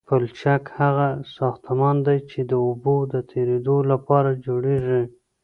پلچک هغه ساختمان دی چې د اوبو د تیرېدو لپاره جوړیږي